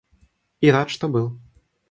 И рад, что был.